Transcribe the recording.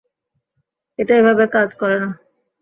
এটা এভাবে কাজ করে না।